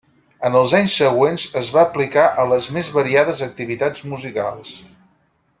En els anys següents es va aplicar a les més variades activitats musicals.